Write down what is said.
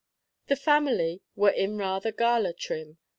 The family were in rather gala trim.